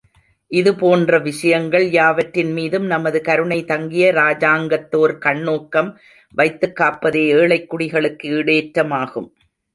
இது போன்ற விஷயங்கள் யாவற்றின் மீதும் நமது கருணை தங்கிய இராஜாங்கத்தோர் கண்ணோக்கம் வைத்துக் காப்பதே ஏழைக்குடிகளுக்கு ஈடேற்றமாகும்.